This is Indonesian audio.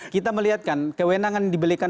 kita melihatkan kewenangan dibelikan